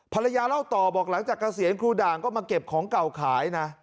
เล่าต่อบอกหลังจากเกษียณครูด่างก็มาเก็บของเก่าขายนะ